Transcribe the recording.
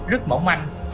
rất mỏng manh